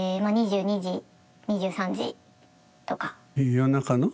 夜中の？